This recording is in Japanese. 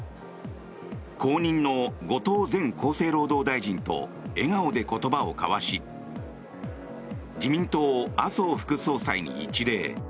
後任の後藤前厚生労働大臣と笑顔で言葉を交わし自民党、麻生副総裁に一礼。